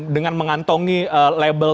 dengan mengantongi label